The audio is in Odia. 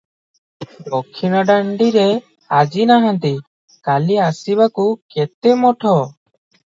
ଦକ୍ଷିଣ ଦାଣ୍ଡିରେ ଆଜି ନାହାନ୍ତି, କାଲି ଆସିବାକୁ କେତେ ମଠ?